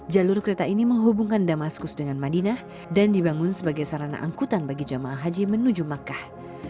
jalur kereta ini menghubungkan damaskus dengan madinah dan dibangun sebagai sarana angkutan bagi jemaah haji menuju makkah